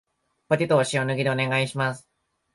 ポテトを塩抜きでお願いします